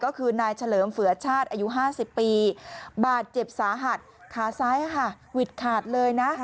ก็คือนายเฉลิมเฝือชาติอายุ๕๐ปีบาดเจ็บสาหัสขาซ้ายหวิดขาดเลยนะ